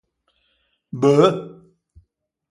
Beuh!